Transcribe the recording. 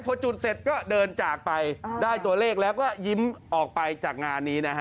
พอจุดเสร็จก็เดินจากไปได้ตัวเลขแล้วก็ยิ้มออกไปจากงานนี้นะฮะ